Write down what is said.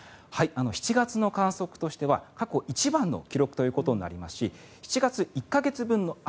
７月の観測としては過去一番の記録ということになりますし７月１か月分の雨